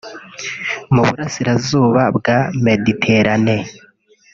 mu Burasirazuba bwa Méditerranée